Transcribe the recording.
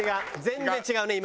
全然違うね